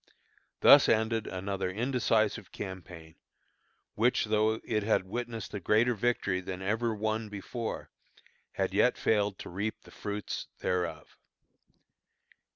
Thus ended another indecisive campaign, which though it had witnessed a greater victory than ever won before, yet had failed to reap the fruits thereof.